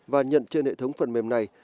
và nhận trên hệ thống phần mềm này